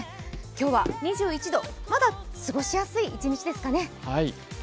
今日は２１度、まだ過ごしやすい一日ですかね。